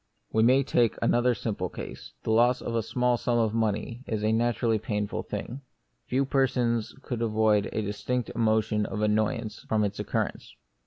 We may take another simple case : The loss of a small sum of money is a naturally painful thing ; few persons could avoid a distinct emotion of annoyance from its occurrence.